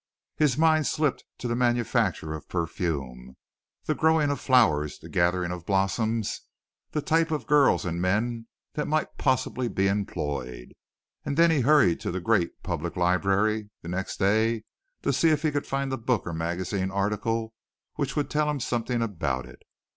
His mind slipped to the manufacture of perfume, the growing of flowers, the gathering of blossoms, the type of girls and men that might possibly be employed, and then he hurried to the great public library the next day to see if he could find a book or magazine article which would tell him something about it.